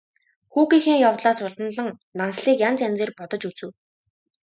Хүүгийнхээ явдлаас уламлан Нансалыг янз янзаар бодож үзэв.